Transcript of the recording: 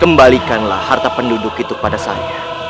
kembalikanlah harta penduduk itu pada saya